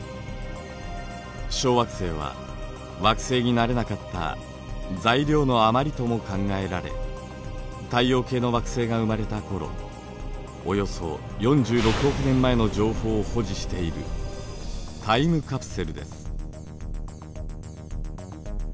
小惑星は惑星になれなかった材料の余りとも考えられ太陽系の惑星が生まれた頃およそ４６億年前の情報を保持しているタイムカプセルです。